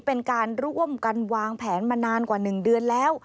เป็นการร่วมกันวางแผนมานานกว่า๑เดือนแล้ว